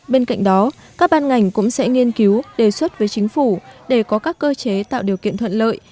bên cạnh đó các ban ngành cũng sẽ nghiên cứu đề xuất với chính phủ để có các cơ chế tạo điều kiện thuận lợi